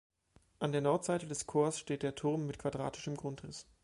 An der Nordseite des Chors steht der Turm mit quadratischem Grundriss.